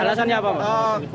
alasannya apa pak